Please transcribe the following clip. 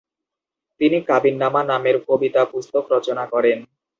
তিনি কাবিননামা নামের কবিতা পুস্তক রচনা করেন।